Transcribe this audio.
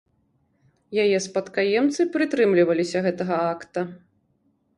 Яе спадкаемцы прытрымліваліся гэтага акта.